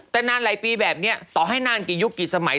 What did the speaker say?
แต่นานหลายปีแบบนี้ต่อให้นานกี่ยุคกี่สมัย